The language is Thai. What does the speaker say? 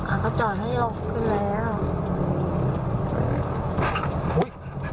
อ่าก็จอดให้ลงขึ้นแล้ว